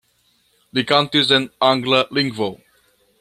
Li kantis en angla lingvo.